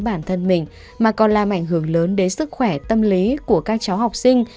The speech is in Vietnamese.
bản thân mình mà còn làm ảnh hưởng lớn đến sức khỏe tâm lý của các cháu học sinh